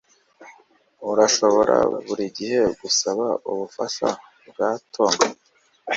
Urashobora buri gihe gusaba ubufasha bwa Tom